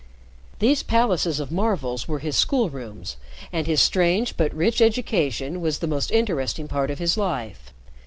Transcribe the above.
These palaces of marvels were his school rooms, and his strange but rich education was the most interesting part of his life.